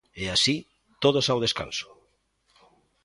E así, todos ao descanso.